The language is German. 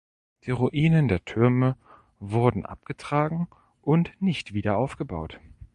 Die Ruinen der Türme wurden abgetragen und nicht wieder aufgebaut.